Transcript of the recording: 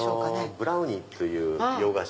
ブラウニーという洋菓子。